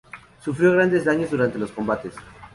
Sufrió grandes daños durante los combates.